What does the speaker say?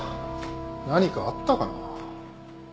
何かあったかな。